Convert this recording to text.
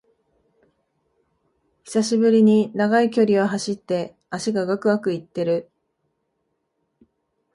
久しぶりに長い距離を走って脚がガクガクいってる